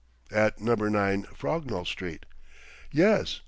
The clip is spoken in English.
"At Number 9, Frognall Street." "Yes....